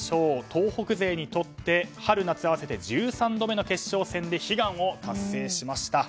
東北勢にとって春夏合わせて１３度目の決勝戦で悲願を達成しました。